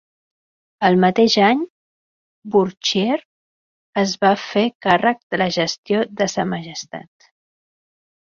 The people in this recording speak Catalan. El mateix any, Bourchier es va fer càrrec de la gestió de Sa Majestat.